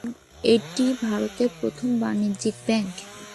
এটি ভারতের প্রথম বাণিজ্যিক ব্যাঙ্ক।